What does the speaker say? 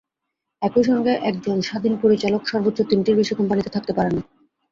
একই সঙ্গে একজন স্বাধীন পরিচালক সর্বোচ্চ তিনটির বেশি কোম্পানিতে থাকতে পারবেন না।